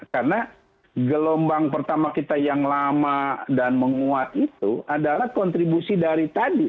karena gelombang pertama kita yang lama dan menguat itu adalah kontribusi dari tadi